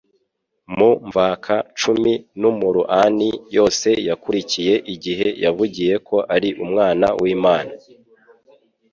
Mu mvaka cumi n'umuruani yose yakurikiye igihe yavugiye ko ari Umwana w'Imana,